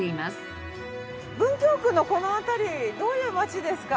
文京区のこの辺りどういう街ですか？